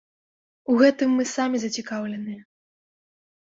У гэтым мы самі зацікаўленыя.